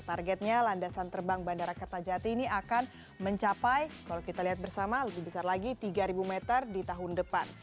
targetnya landasan terbang bandara kertajati ini akan mencapai kalau kita lihat bersama lebih besar lagi tiga meter di tahun depan